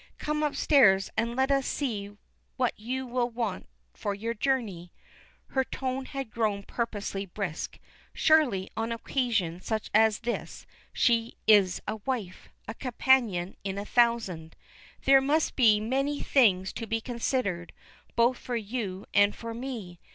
Come upstairs and let us see what you will want for your journey." Her tone had grown purposely brisk; surely, on an occasion such as this she is a wife, a companion in a thousand. "There must be many things to be considered, both for you and for me.